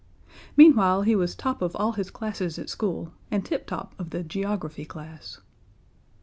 Meanwhile, he was top of all his classes at school, and tip top of the geography class.